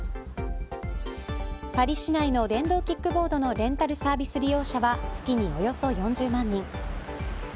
パリ市内の電動キックボードのレンタルサービス利用者は月におよそ４０万人。